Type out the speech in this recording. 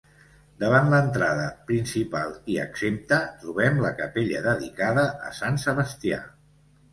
Davant l'entrada principal i exempta, trobem la capella dedicada a Sant Sebastià.